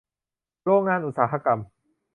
โรงงานอุตสาหกรรม